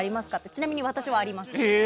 ちなみに私はあります。